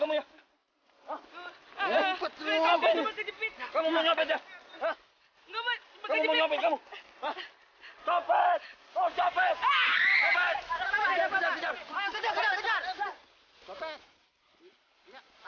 ayo kejar cepetnya